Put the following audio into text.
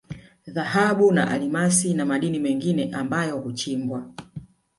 Dhahabu na Almasi na madini mengineyo ambayo huchimbwa